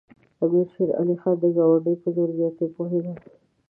امیر شېر علي خان د ګاونډي په زور زیاتي پوهېده.